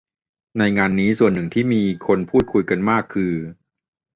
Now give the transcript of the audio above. ในงานนี้ส่วนหนึ่งที่มีคนพูดคุยกันมากคือ